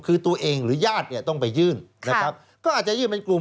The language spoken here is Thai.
คือตัวเองหรือญาติเนี่ยต้องไปยื่นนะครับก็อาจจะยื่นเป็นกลุ่ม